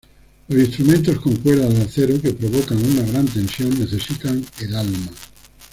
Los instrumentos con cuerdas de acero, que provocan una gran tensión, necesitan el alma.